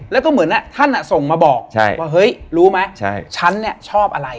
แล้วก็เหมือนท่านส่งมาบอกว่าเฮ้ยรู้ไหมฉันเนี่ยชอบอะไร